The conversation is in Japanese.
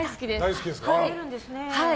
食べるんですね。